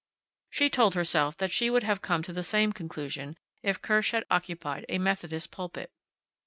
She told herself that she would have come to the same conclusion if Kirsch had occupied a Methodist pulpit.